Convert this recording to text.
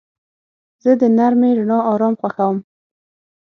زه د نرمې رڼا آرام خوښوم.